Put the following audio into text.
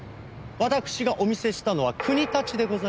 わたくしがお見せしたのは「国立」でございますが。